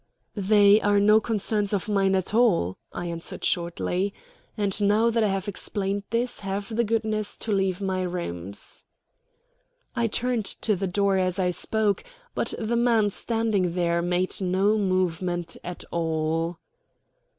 "They are no concerns of mine at all," I answered shortly. "And now that I have explained this, have the goodness to leave my rooms." I turned to the door as I spoke, but the man standing there made no movement at all.